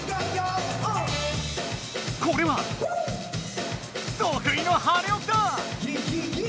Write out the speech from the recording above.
これはとくいのはねおきだ！